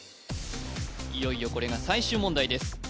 いよいよこれが最終問題です